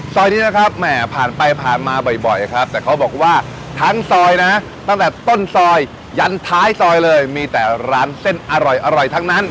ซอยนี้นะครับแหมผ่านไปผ่านมาบ่อยครับแต่เขาบอกว่าทั้งซอยนะตั้งแต่ต้นซอยยันท้ายซอยเลยมีแต่ร้านเส้นอร่อยทั้งนั้น